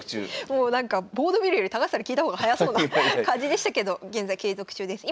もうなんかボード見るより高橋さんに聞いた方が早そうな感じでしたけど現在継続中です。